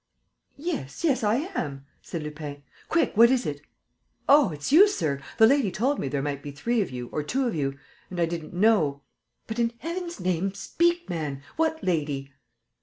"Yes, yes, ... I am," said Lupin. "Quick, what is it?" "Oh, it's you, sir! The lady told me there might be three of you or two of you.... And I didn't know...." "But, in heaven's name, speak, man! What lady?"